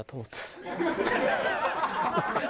ハハハハ！